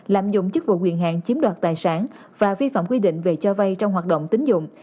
lạm dụng chức vụ quyền hạng chiếm đoạt tài sản và vi phạm quy định về cho vay trong hoạt động tính dụng